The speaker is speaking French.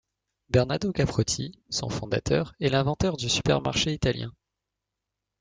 Bernado Caprotti, son fondateur, est l'inventeur du supermarché italien.